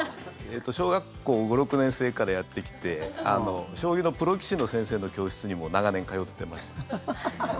小学校５、６年生からやってきて将棋のプロ棋士の先生の教室にも長年、通ってました。